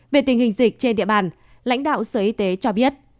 về tình hình dịch trên địa bàn lãnh đạo sở y tế cho biết